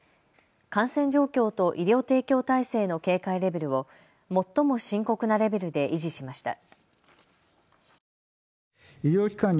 感染状況と医療提供体制の警戒レベルを最も深刻なレベルで維持しました。